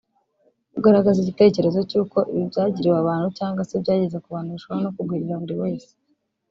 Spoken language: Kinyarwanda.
ugaragaza igitekerezo cy’uko ibibi byagiriwe abantu cyangwa se byageze ku bantu bishobora no kugwirira buri wese